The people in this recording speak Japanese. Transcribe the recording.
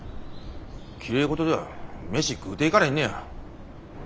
きれい事では飯食うていかれへんのや。